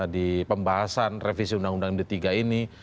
di pembahasan revisi undang undang md tiga ini